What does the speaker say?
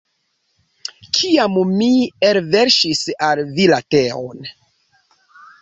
Kiam mi elverŝis al vi la teon.